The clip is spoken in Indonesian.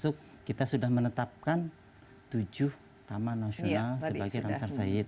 kita sudah menetapkan tujuh taman nasional sebagai ramsar said